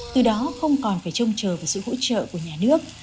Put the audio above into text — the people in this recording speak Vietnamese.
từ đó không còn phải trông chờ vào sự hỗ trợ của nhà nước